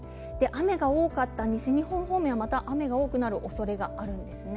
雨が多かった西日本方面はまた雨が多くなるおそれがあるんですね。